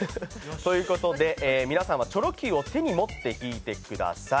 皆さん、チョロＱを手に持って引いてください。